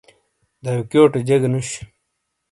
داویکیو ٹےجیگہ نوش۔